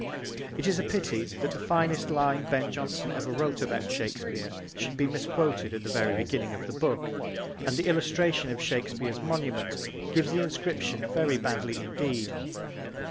It is a pity that the finest line Ben Jonson ever wrote about Shakespeare should be misquoted at the very beginning of the book, and the illustration of Shakespeare's monument gives the inscription very badly indeed.